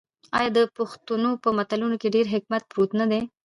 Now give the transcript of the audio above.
آیا د پښتنو په متلونو کې ډیر حکمت پروت نه دی؟